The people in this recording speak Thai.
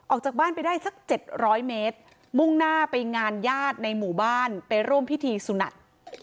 ออกจากบ้านไปได้สัก๗๐๐เมตรมุ่งหน้าไปงานญาติในหมู่บ้านไปร่วมพิธีสุนัท